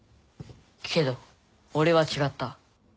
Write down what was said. けど俺は違った。